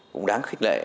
cũng đáng khích lệ